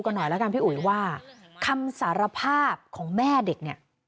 หน่อยแล้วกันพี่อุ๋ยว่าคำสารภาพของแม่เด็กเนี่ย